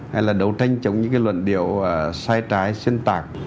hay là đấu tranh chống những cái luận điệu sai trái xuyên tạc